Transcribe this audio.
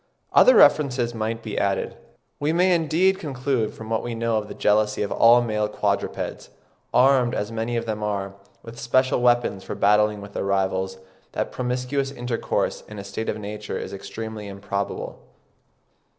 Other references might be added.) We may indeed conclude from what we know of the jealousy of all male quadrupeds, armed, as many of them are, with special weapons for battling with their rivals, that promiscuous intercourse in a state of nature is extremely improbable.